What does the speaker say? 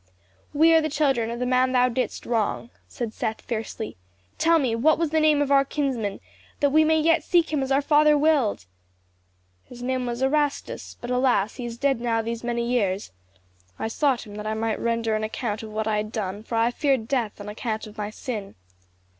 "We are the children of the man thou didst wrong," said Seth fiercely. "Tell me, what was the name of our kinsman, that we may yet seek him as our father willed?" "His name was Erastus; but, alas, he is dead now these many years. I sought him that I might render an account of what I had done, for I feared death on account of my sin.